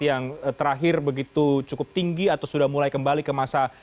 yang terakhir begitu cukup tinggi atau sudah mulai kembali ke masa